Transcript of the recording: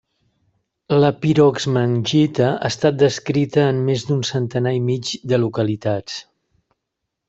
La piroxmangita ha estat descrita en més d'un centenar i mig de localitats.